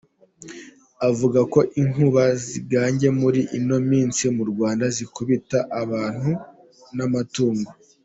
Avuga ko inkuba ziganje muri ino minsi mu Rwanda zikubita abantu n’amatungo.